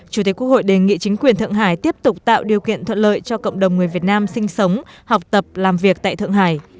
chủ tịch quốc hội đề nghị chính quyền thượng hải tiếp tục tạo điều kiện thuận lợi cho cộng đồng người việt nam sinh sống học tập làm việc tại thượng hải